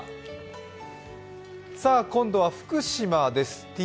今度は福島です。